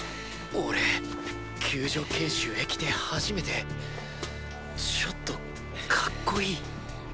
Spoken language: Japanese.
俺救助研修へ来て初めてちょっとカッコいい？